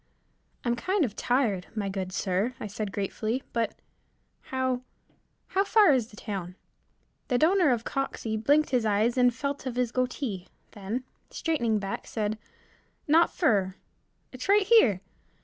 "I'm kind of tired, my good sir," I said gratefully, "but how how far is the town." The donor of Coxey blinked his eyes and felt of his goatee, then, straightening back, said, "Not fer, it's right here.